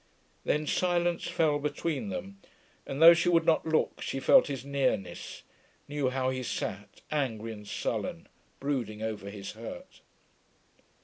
Then silence fell between them, and though she would not look she felt his nearness, knew how he sat, angry and sullen, brooding over his hurt.